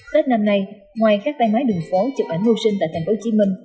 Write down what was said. tết năm nay ngoài các tay máy đường phố chụp ảnh hô sinh tại tp hcm